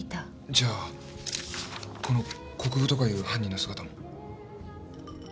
じゃあこの国府とかいう犯人の姿も。